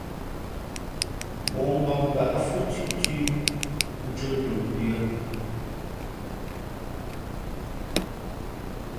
Mǒʼ ngam mbǎʼ fhʉ́ thʉ́ tʉ̄ ncō ndomndʉ̄ᾱ.